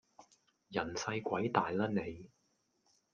人細鬼大喇你